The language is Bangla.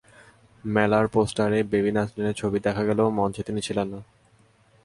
মেলার পোস্টারে বেবি নাজনীনের ছবি দেখা গেলেও মঞ্চে তিনি ছিলেন না।